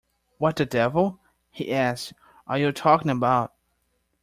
"What the devil," he asked, "are you talking about?"